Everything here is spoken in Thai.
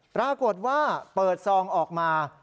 ปรากฏว่าเปิดซองออกมา